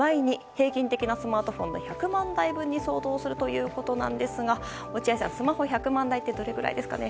平均的なスマートフォンの１００万台分に相当するということなんですが落合さん、スマホ１００万台ってどれくらいですかね。